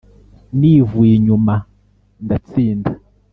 nivuye inyuma ndatsinda